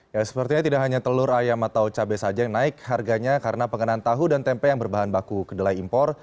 ya sepertinya tidak hanya telur ayam atau cabai saja yang naik harganya karena pengenan tahu dan tempe yang berbahan baku kedelai impor